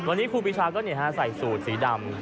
วันนี้ครูปีชาก็ใส่สูตรสีดำ